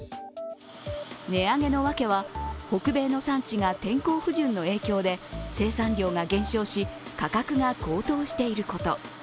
値上げの訳は、北米の産地が天候不順の影響で生産量が減少し、価格が高騰していること。